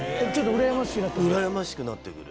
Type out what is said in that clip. うらやましくなってくる。